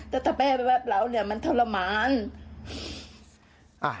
แต่ถ้าแพร่เหมือนแบบเรามันทรมาน